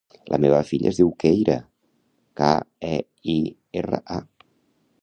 La meva filla es diu Keira: ca, e, i, erra, a.